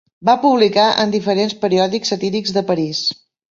Va publicar en diferents periòdics satírics de París.